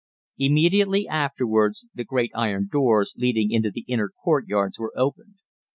Immediately afterwards the great iron doors leading into the inner courtyards were opened.